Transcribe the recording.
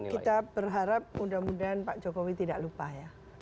kita berharap mudah mudahan pak jokowi tidak lupa ya